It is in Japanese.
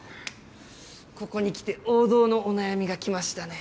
ここに来て王道のお悩みが来ましたね。